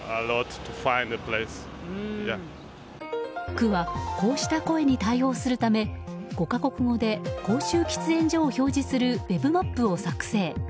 区はこうした声に対応するため５か国語で公衆喫煙所を表示するウェブマップを作成。